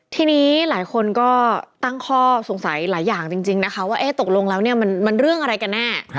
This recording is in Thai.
ทีนี้หลายคนก็ตั้งข้อสงสัยหลายอย่างจริงนะคะว่าตกลงแล้วเนี่ยมันเรื่องอะไรกันแน่